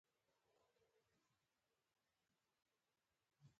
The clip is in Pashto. نجونې به تر هغه وخته پورې خپلې زده کړې کوي.